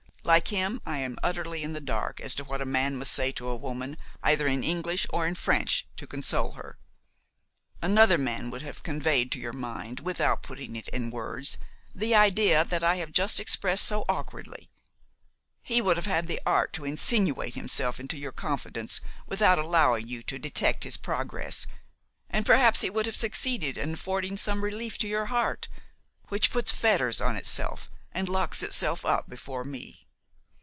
Like him I am utterly in the dark as to what a man must say to a woman, either in English or in French, to console her. Another man would have conveyed to your mind, without putting it in words, the idea that I have just expressed so awkwardly; he would have had the art to insinuate himself into your confidence without allowing you to detect his progress, and perhaps he would have succeeded in affording some relief to your heart, which puts fetters on itself and locks itself up before me.